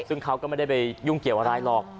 ซึ่งเขาก็ไม่ได้ไปยุ่งเกี่ยวอะไรหรอก